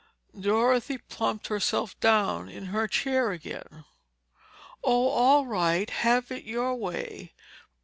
Dorothy plumped herself down in her chair again. "Oh, all right. Have it your way.